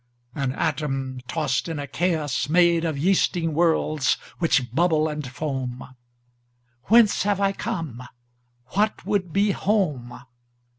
An atom tossed in a chaos madeOf yeasting worlds, which bubble and foam. Whence have I come? What would be home?